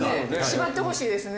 縛ってほしいですね。